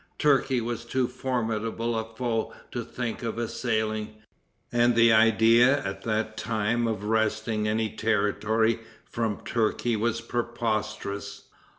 Turkey was too formidable a foe to think of assailing, and the idea at that time of wresting any territory from Turkey was preposterous.